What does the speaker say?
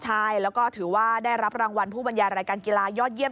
ใช่แล้วก็ถือว่าได้รับรางวัลผู้บรรยายรายการกีฬายอดเยี่